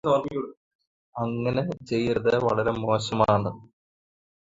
അങ്ങനെ ചെയ്യരുത് വളരെ മോശമാണ്